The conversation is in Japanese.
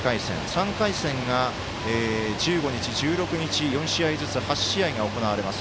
３回戦が１５日、１６日４回ずつ８試合が行われます。